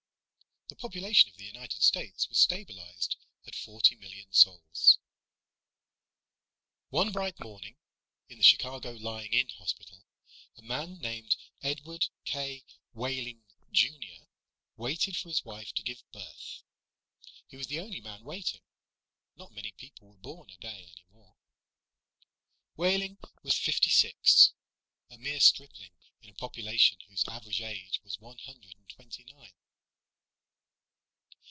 The population of the United States was stabilized at forty million souls. One bright morning in the Chicago Lying in Hospital, a man named Edward K. Wehling, Jr., waited for his wife to give birth. He was the only man waiting. Not many people were born a day any more. Wehling was fifty six, a mere stripling in a population whose average age was one hundred and twenty nine.